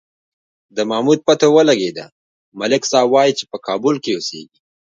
د محمود پته ولگېده، ملک صاحب وایي چې په کابل کې اوسېږي.